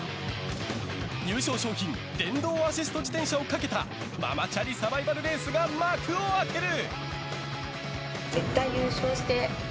優勝賞品電動アシスト自転車をかけたママチャリサバイバルレースが幕を開ける！